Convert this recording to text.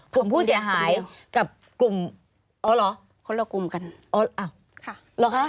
กลุ่มผู้เสียหายกับกลุ่มอ๋อเหรอคนละกลุ่มกันอ๋ออ้าวค่ะเหรอคะ